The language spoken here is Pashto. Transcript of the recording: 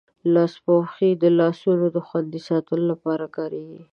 لاسپوښي د لاسونو دخوندي ساتلو لپاره پکاریږی.